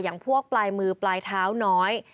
อย่างพวกปลายมือปลายเท้าน้อย